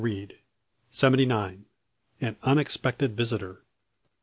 CHAPTER SEVENTY NINE. AN UNEXPECTED VISITOR.